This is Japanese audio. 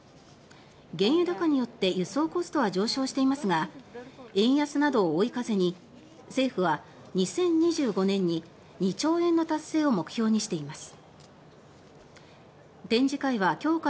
原油高によって輸送コストは上昇していますが円安などを追い風に政府は２０２５年に２兆円の達成を目標にしています。